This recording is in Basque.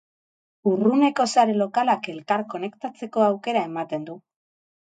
Urruneko sare lokalak elkar konektatzeko aukera ematen du.